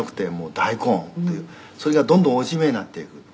「それがどんどん落ち目になっていく」